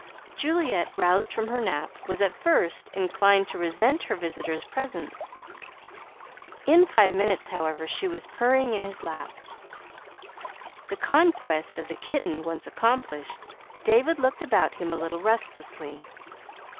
Juliette, roused from her nap, was at first inclined to resent her visitor's presence. In five minutes, however, she was purring in his lap. The conquest of the kitten once accomplished, David looked about him a little restlessly.